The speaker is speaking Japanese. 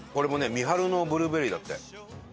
三春のブルーベリーだって。